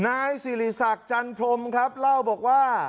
นายสิริศักดิ์จันพรมครับเล่าบอกว่า